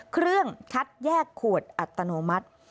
เครื่องคัดแยกขวดอัตโนมัติ